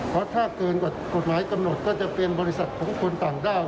เพราะถ้าเกินกว่ากฎหมายกำหนดก็จะเป็นบริษัทของคนต่างด้าว